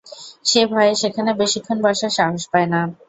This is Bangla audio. সে ভয়ে সেখানে বেশিক্ষণ বসার সাহস পায় না।